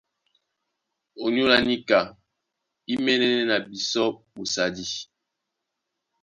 Ónyólá níka í mɛ̌nɛ́nɛ́ na bisɔ́ ɓosadi.